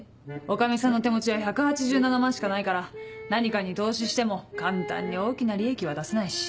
女将さんの手持ちは１８７万しかないから何かに投資しても簡単に大きな利益は出せないし。